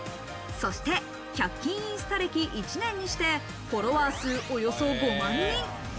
そして１００均インスタ歴１年にしてフォロワー数およそ５万人。